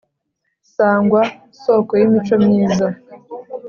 sangwa soko y’imico myiza